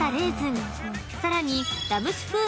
［さらに］